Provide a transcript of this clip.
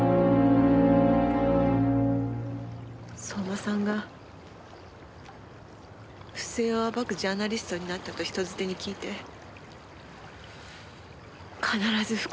相馬さんが不正を暴くジャーナリストになったと人づてに聞いて必ず復讐に現れると思ったわ。